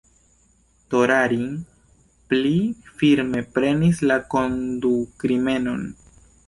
Torarin pli ﬁrme prenis la kondukrimenon.